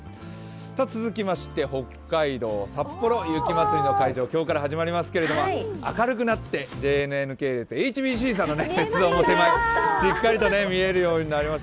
続きまして北海道・札幌、雪まつりの会場、今日から始まりますけれども、明るくなってＪＮＮ系列、ＨＢＣさんの雪像もしっかりと見えるようになりました、